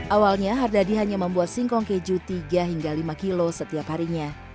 awalnya hardadi hanya membuat singkong keju tiga hingga lima kilo setiap harinya